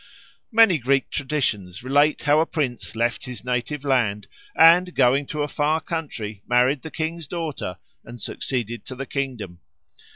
Many Greek traditions relate how a prince left his native land, and going to a far country married the king's daughter and succeeded to the kingdom.